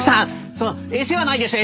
そのえせはないでしょ？